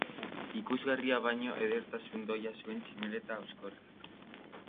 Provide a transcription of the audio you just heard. Ikusgarria baino, edertasun doia zuen tximeleta hauskorrak.